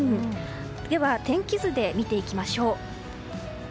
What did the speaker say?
では天気図で見ていきましょう。